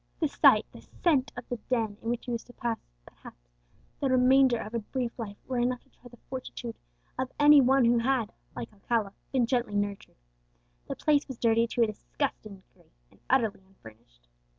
The sight, the scent of the den in which he was to pass, perhaps, the remainder of a brief life, were enough to try the fortitude of any one who had, like Alcala, been gently nurtured. The place was dirty to a disgusting degree, and utterly unfurnished.